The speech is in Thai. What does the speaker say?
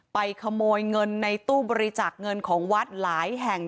ขโมยเงินในตู้บริจาคเงินของวัดหลายแห่ง